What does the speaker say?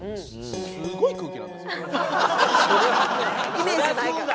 イメージないから。